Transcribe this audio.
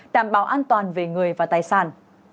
tạm bảo an toàn về người và tài sản